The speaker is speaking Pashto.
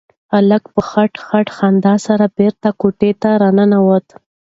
هلک په خټ خټ خندا سره بېرته کوټې ته راننوت.